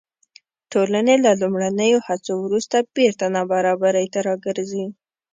ټولنې له لومړنیو هڅو وروسته بېرته نابرابرۍ ته راګرځي.